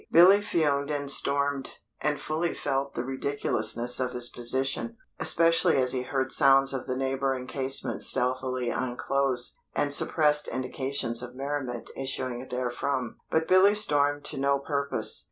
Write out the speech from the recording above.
Billy fumed and stormed, and fully felt the ridiculousness of his position, especially as he heard sounds of the neighbouring casements stealthily unclose, and suppressed indications of merriment issuing therefrom. But Billy stormed to no purpose.